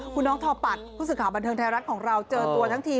คุณน้องทอปัดผู้ศึกหาบันเทิงไทยรักษณ์ของเราเจอตัวทั้งที